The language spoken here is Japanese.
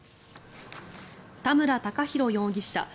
田村孝広容疑者